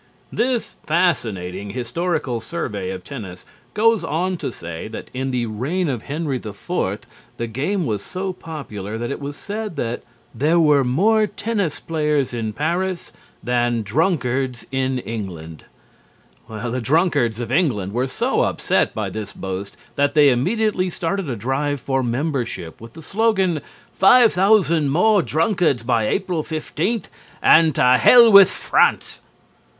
This fascinating historical survey of tennis goes on to say that in the reign of Henri IV the game was so popular that it was said that "there were more tennis players in Paris than drunkards in England." The drunkards of England were so upset by this boast that they immediately started a drive for membership with the slogan, "Five thousand more drunkards by April 15, and to Hell with France!"